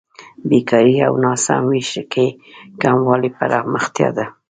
بېکارۍ او ناسم وېش کې کموالی پرمختیا ده.